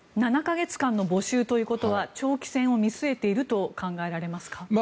７か月間の募集ということは長期戦を見据えていると見ますか？